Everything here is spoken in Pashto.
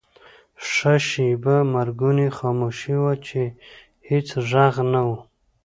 ښه شیبه مرګونې خاموشي وه، چې هېڅ ږغ نه و.